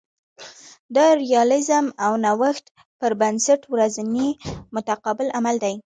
دا د ریالیزم او نوښت پر بنسټ ورځنی متقابل عمل دی